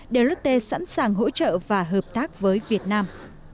deloitte sẵn sàng hỗ trợ và hợp tác với việt nam